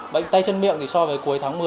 bệnh tay chân miệng thì so với cuối tháng một mươi